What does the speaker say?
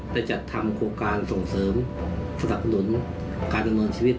ได้จัดทำโครงการส่งเสริมสนับสนุนการดำเนินชีวิต